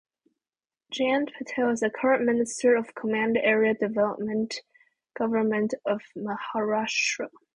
Jayant Patil is Current Minister of Command Area Development Government of Maharashtra.